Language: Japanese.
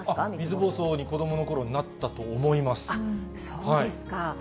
水ぼうそうに子どものころ、そうですか。